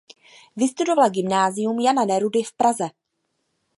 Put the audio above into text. Vystudovala gymnázium Jana Nerudy v Praze.